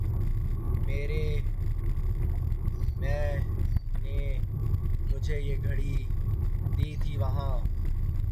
میریں مامیںں نیں مجھیں یہ گھڑی دی تھی وہاں